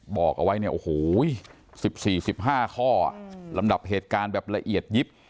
บอกเอาไว้๑๔๑๕ข้อลำดับเหตุการณ์แบบละเอียดยิบ